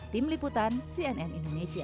tim liputan cnn indonesia